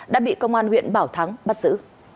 đã bị công an huyện bảo thắng bắt giữ